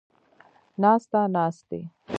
ناسته ، ناستې